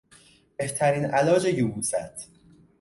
بهترین علاج یبوست